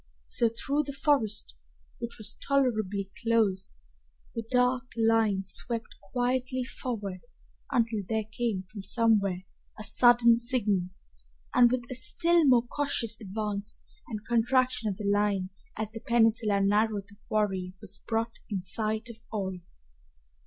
So through the forest, which was tolerably close, the dark line swept quietly forward until there came from somewhere a sudden signal, and with a still more cautious advance and contraction of the line as the peninsula narrowed the quarry was brought in sight of all.